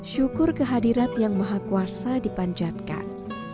syukur kehadiran yang maha kuasa dipanjatkan